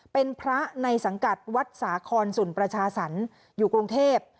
เป็นพระในสังกัดวัดสาคอนสุนประชาสรรค์อยู่กรุงเทพ